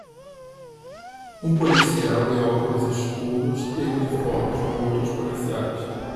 Um policial de óculos escuros e uniforme com outros policiais